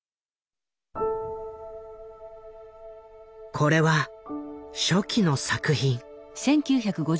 これは初期の作品。